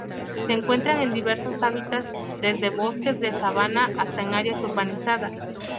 Se encuentran en diversos hábitats, desde bosques de sabana hasta en áreas urbanizadas.